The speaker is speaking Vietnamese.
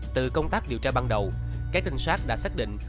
từ công tác điều tra ban đầu các trinh sát đã xác định